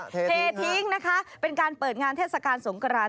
เททิ้งนะคะเป็นการเปิดงานเทศกาลสงกราน